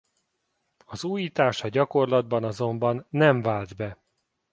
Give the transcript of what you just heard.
Az újítás a gyakorlatban azonban nem vált be.